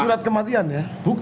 surat kematian ya